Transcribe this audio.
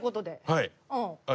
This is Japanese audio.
はい。